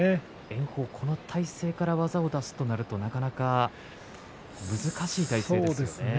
炎鵬は、あの体勢から技を出すとなるとなかなか難しいですよね。